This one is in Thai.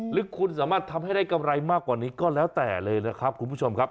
หรือคุณสามารถทำให้ได้กำไรมากกว่านี้ก็แล้วแต่เลยนะครับคุณผู้ชมครับ